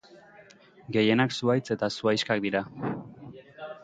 Gehienak zuhaitz eta zuhaixkak dira.